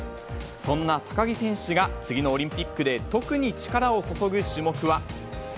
そんな高木選手が次のオリンピックで特に力を注ぐ種目は。